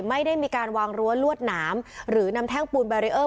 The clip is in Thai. ไม่ได้มีการวางรั้วลวดหนามหรือนำแท่งปูนแบรีเออร์